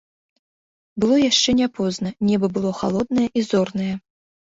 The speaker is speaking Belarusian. Было яшчэ не позна, неба было халоднае і зорнае.